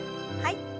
はい。